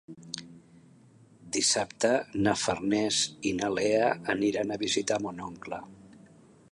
Dissabte na Farners i na Lea aniran a visitar mon oncle.